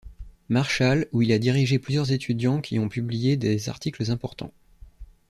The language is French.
Marshall, où il a dirigé plusieurs étudiants qui ont publié des articles importants.